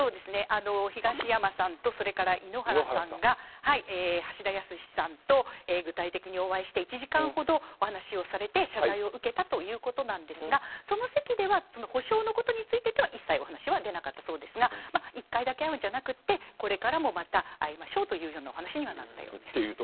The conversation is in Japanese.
東山さんと井ノ原さんが橋田康さんと具体的にお会いして１時間ほどお話をされて謝罪を受けたということですがその席では補償のことについては一切、お話には出なかったそうですが１回だけ会うんじゃなくってこれからもまた会いましょうというお話にはなったようです。